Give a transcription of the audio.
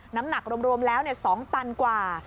น้ำหนักรวมแล้ว๒ตันกว่า